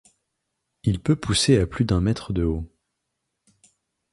Il peut pousser à plus d'un mètre de haut.